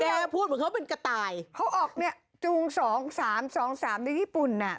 พูดเหมือนเขาเป็นกระต่ายเขาออกเนี่ยจูงสองสามสองสามในญี่ปุ่นอ่ะ